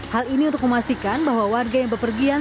hal ini untuk memastikan bahwa warga yang berpergian